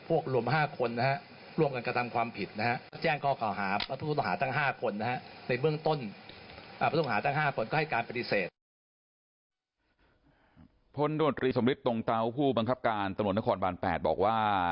พลโดนตรีสำริจตรงเตาผู้บังคับการตนครบาน๘บอกว่า